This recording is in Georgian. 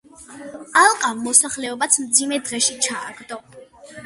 ალყამ მოსახლეობაც მძიმე დღეში ჩააგდო.